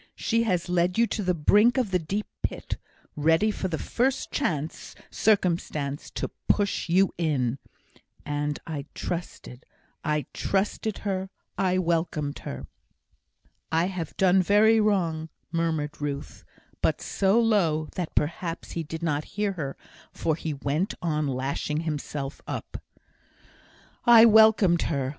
She has led you to the brink of the deep pit, ready for the first chance circumstance to push you in. And I trusted her I trusted her I welcomed her." "I have done very wrong," murmured Ruth, but so low, that perhaps he did not hear her, for he went on, lashing himself up. "I welcomed her.